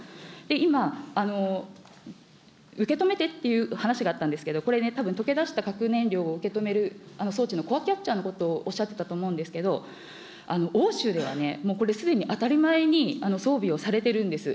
今、受け止めてっていう話があったんですけど、これね、たぶん溶け出した核燃料を受け止める装置のコアキャッチャーのことをおっしゃってたと思うんですけど、欧州では、これはすでに当たり前に装備をされてるんです。